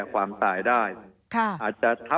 มีความรู้สึกว่ามีความรู้สึกว่า